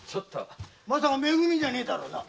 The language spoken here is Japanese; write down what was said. まさかめ組じゃねぇだろうな。